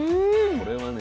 これはね